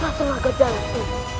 bapak tenaga jalan ini